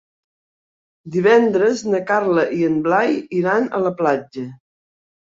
Divendres na Carla i en Blai iran a la platja.